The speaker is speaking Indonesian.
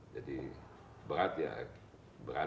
jadi berat ya berat